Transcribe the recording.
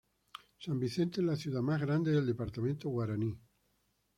San Vicente es la ciudad más grande del departamento Guaraní.